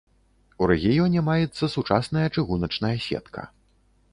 У рэгіёне маецца сучасная чыгуначная сетка.